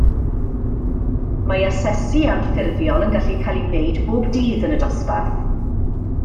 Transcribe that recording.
Mae asesu anffurfiol yn gallu cael ei wneud bob dydd yn y dosbarth